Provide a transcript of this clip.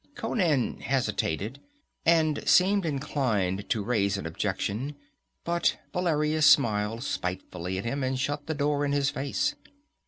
Conan hesitated, and seemed inclined to raise an objection, but Valeria smiled spitefully at him and shut the door in his face.